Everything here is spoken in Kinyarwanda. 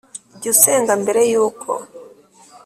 Jya usenga mbere y uko